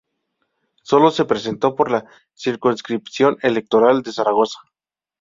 Sólo se presentó por la circunscripción electoral de Zaragoza.